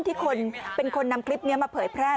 ที่คนเป็นคนนำคลิปนี้มาเผยแพร่